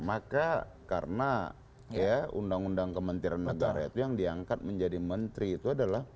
maka karena ya undang undang kementerian negara itu yang diangkat menjadi menteri itu adalah